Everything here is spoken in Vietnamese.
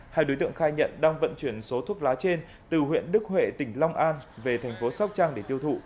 hai đối tượng khai nhận đang vận chuyển số thuốc lá trên từ huyện đức huệ tỉnh long an về thành phố sóc trăng để tiêu thụ